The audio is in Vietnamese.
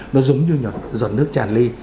nó giống như giọt nước chàn ly